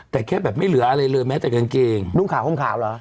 แต่แค่แบบไม่เหลืออะไรเลยแม้แต่กางเกงนุ่งขาวห่มขาวเหรอ